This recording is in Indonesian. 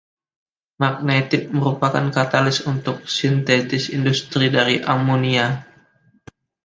Magnetit merupakan katalis untuk sintesis industri dari amonia.